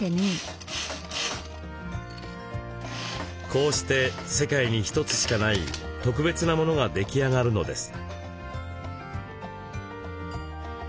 こうして世界に一つしかない特別なものが出来上がるのです。